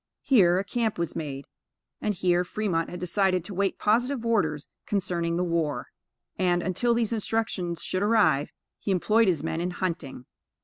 Here, a camp was made, and here Fremont had decided to wait positive orders concerning the war; and, until these instructions should arrive, he employed his men in hunting.